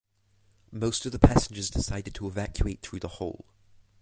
Most of the passengers decided to evacuate through the hole.